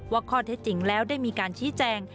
ว่าข้อเท็จจริงแล้วได้มีการชี้แจง